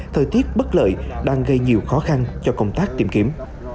thời tiết bất lợi đang gây nhiều khó khăn cho công tác tìm kiếm